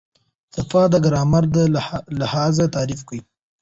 څپه د ګرامر لحاظه تعریف ده.